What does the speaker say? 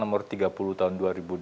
nomor tiga puluh tahun dua ribu dua puluh